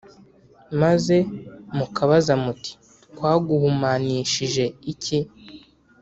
Maze mukabaza muti ‘Twaguhumanishije iki?’